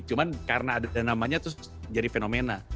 cuma karena ada namanya terus jadi fenomena